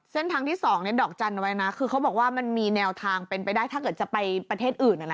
เส้นทางที่๒ดอกจันทร์เอาไว้นะคือเขาบอกว่ามันมีแนวทางเป็นไปได้ถ้าเกิดจะไปประเทศอื่น